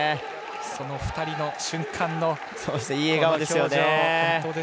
その２人の瞬間の表情。